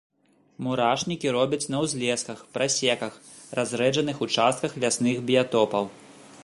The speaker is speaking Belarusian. Мурашнікі робяць на ўзлесках, прасеках, разрэджаных участках лясных біятопаў.